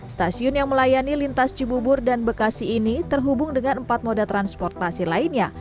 stasiun yang melayani lintas cibubur dan bekasi ini terhubung dengan empat moda transportasi lainnya